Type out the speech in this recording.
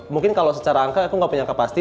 mungkin kalau secara angka aku nggak punya angka pasti